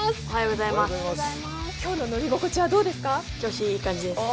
今日の乗り心地はどうですか？